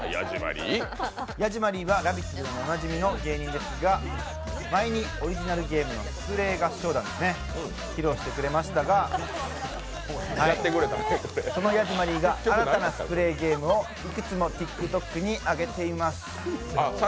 ヤジマリーは「ラヴィット！」でもおなじみの芸人ですが前にオリジナルゲームのスプレー合唱団を披露してくれましたが、そのヤジマリーが新たなスプレーゲームをＴｉｋＴｏｋに上げています。